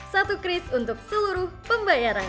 satu kris untuk seluruh pembayaran